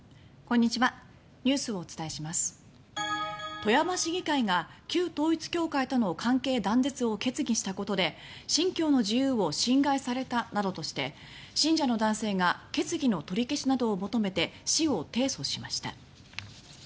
富山市議会が旧統一教会との関係断絶を決議したことで信教の自由を侵害されたなどとして信者の男性が決議の取り消しなどを求めて市を提訴しました。